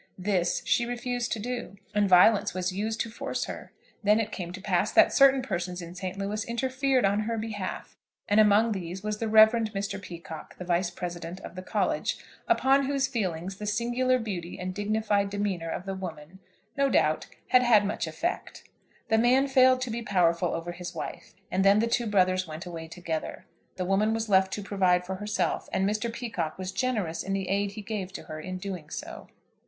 This she refused to do, and violence was used to force her. Then it came to pass that certain persons in St. Louis interfered on her behalf, and among these was the Reverend Mr. Peacocke, the Vice President of the College, upon whose feelings the singular beauty and dignified demeanour of the woman, no doubt, had had much effect. The man failed to be powerful over his wife, and then the two brothers went away together. The woman was left to provide for herself, and Mr. Peacocke was generous in the aid he gave to her in doing so.